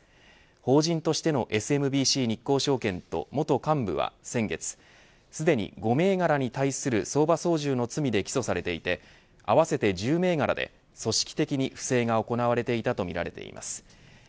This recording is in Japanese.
法人としてのＳＭＢＣ日興証券と元幹部は先月すでに５銘柄に対する相場操縦の罪で起訴されていて合わせて１０銘柄で組織的に不正が行われていたとみられています。